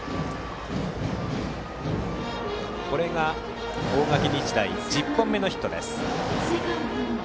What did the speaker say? これが大垣日大１０本目のヒット。